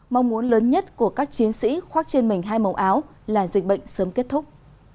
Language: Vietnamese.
mong muốn lớn nhất của các chiến sĩ khoác trên mình hai màu áo là dịch bệnh sớm kết thúc